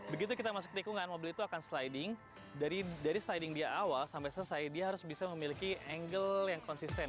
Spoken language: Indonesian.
begitu kita masuk tikungan mobil itu akan sliding dari sliding dia awal sampai selesai dia harus bisa memiliki angle yang konsisten